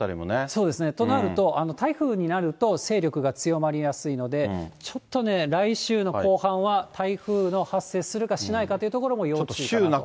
そうですね、となると、台風になると勢力が強まりやすいので、ちょっとね、来週の後半は台風の発生するかしないかというところも、要注意と。